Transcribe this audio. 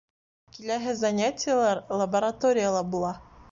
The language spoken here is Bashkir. Киләһе занятиелар лабораторияла була.